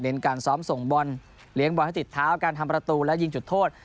เน้นการทร้อมส่งบ่นเหลียงบ่อยถ้าติดเท้าการทำประตูและหยิงจุดโทษ